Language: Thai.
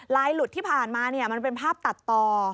หลุดที่ผ่านมามันเป็นภาพตัดต่อ